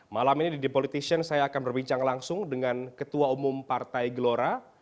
malam ini di the politician saya akan berbincang langsung dengan ketua umum partai gelora